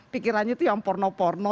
pikirannya itu yang porno porno